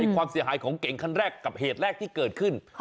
ความเสียหายของเก่งคันแรกกับเหตุแรกที่เกิดขึ้น